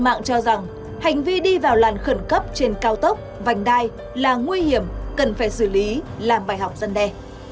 mạng cho rằng hành vi đi vào làn khẩn cấp trên cao tốc vành đai là nguy hiểm cần phải xử lý làm bài học dân đe